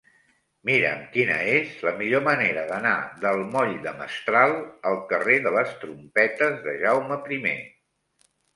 Mira'm quina és la millor manera d'anar del moll de Mestral al carrer de les Trompetes de Jaume I.